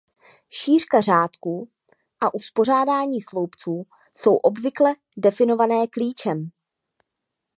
Šířka řádků a uspořádání sloupců jsou obvykle definované klíčem.